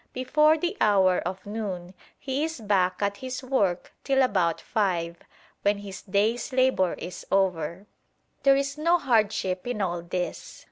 Before the hour of noon he is back at his work till about five, when his day's labour is over. There is no hardship in all this.